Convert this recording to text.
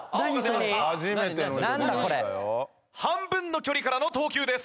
半分の距離からの投球です。